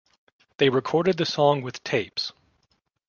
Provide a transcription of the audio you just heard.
They recorded the song with tapes.